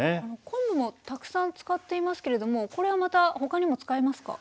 昆布もたくさん使っていますけれどもこれはまた他にも使えますか？